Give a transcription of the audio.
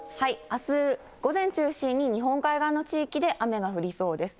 あす午前中心に、日本海側の地域で雨が降りそうです。